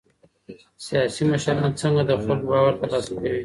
سياسي مشران څنګه د خلګو باور ترلاسه کوي؟